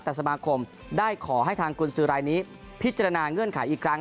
แต่สมาคมได้ขอให้ทางกุญสือรายนี้พิจารณาเงื่อนไขอีกครั้ง